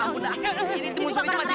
salahin aja muka saya yang cantik